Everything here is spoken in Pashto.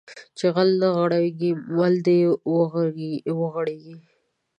چې غل نه غېړيږي مل د وغړيږي